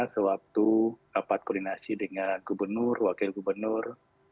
sewaktu rapat koordinasi dengan gubernur wakil gubernur